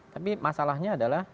tapi masalahnya adalah